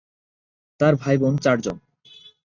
তার ভাইবোন চার জন।